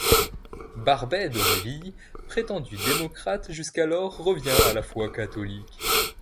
Barbey d’Aurevilly, prétendu démocrate jusqu’alors, revient à la foi catholique.